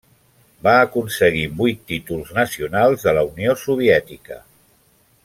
Va aconseguir vuit títols nacionals de la Unió Soviètica.